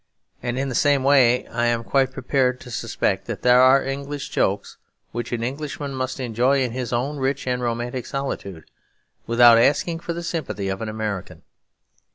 And in the same way I am quite prepared to suspect that there are English jokes which an Englishman must enjoy in his own rich and romantic solitude, without asking for the sympathy of an American.